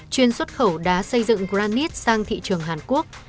chuyên xuất khẩu đá xây dựng granis sang thị trường hàn quốc